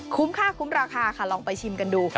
ค่าคุ้มราคาค่ะลองไปชิมกันดู